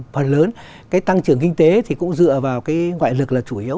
phần lớn cái tăng trưởng kinh tế thì cũng dựa vào cái ngoại lực là chủ yếu